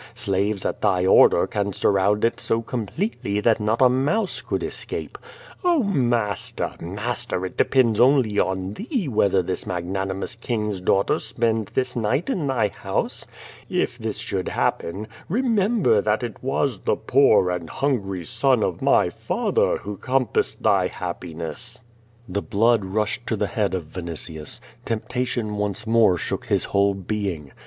Slaves at thy order can surround it so completely that not a mouse could escape. Oh, master, master, it depends only on thee whether this mag nanimous king's daughter spend this night in thy house. If this should happen, remember that it was the poor and hungry son of my father who compassed thy happiness." The blood rushed to the head of Vinitius. Temptation once more shook his whole being.